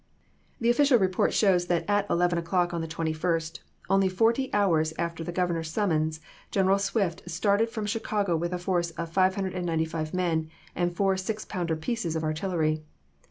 The official report shows that at eleven o'clock on the 21st, only forty hours after the Governor's summons, General Swift started from Chicago with a force of 595 men and four six pounder pieces of artillery.